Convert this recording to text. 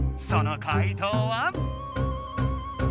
その回答は？